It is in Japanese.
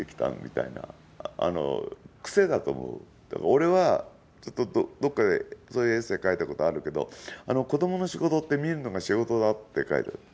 俺はどっかで、そういうエッセー書いたことあるけど子どもの仕事って見るのが仕事だって書いてる。